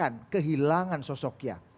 saya ingin mengucapkan kehilangan sosoknya